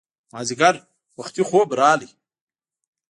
مازیګر وختي خوب راغی